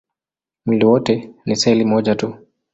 Mwili wote ni seli moja tu.